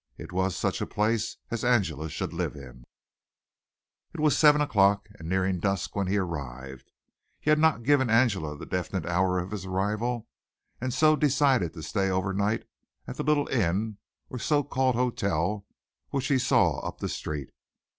It was such a place as Angela should live in. It was seven o'clock and nearing dusk when he arrived. He had not given Angela the definite hour of his arrival and so decided to stay over night at the little inn or so called hotel which he saw up the street.